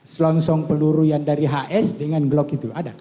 selongsong peluru yang dari hs dengan glock itu ada